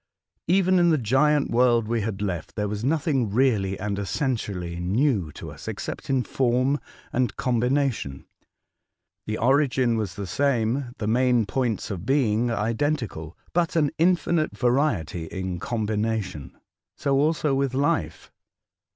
Even in the Giant AVorld we had left there was nothing really and essen tially new to us, except in form and combina tion. The origin was the same, the main points of being identical, but an infinite variety in combination. So also with life.